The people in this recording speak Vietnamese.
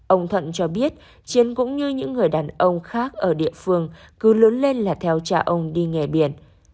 ông thuận cho biết chiến cũng như những người đàn ông khác ở địa phương cứ lớn lên là theo cha ông đi nghề biển